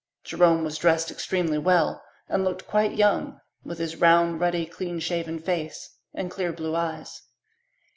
Jerome was dressed extremely well and looked quite young, with his round, ruddy, clean shaven face and clear blue eyes.